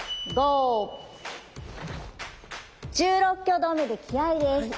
１６挙動目で気合いです。